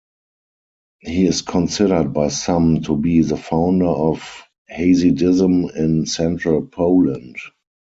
He is considered by some to be the founder of Hasidism in central Poland.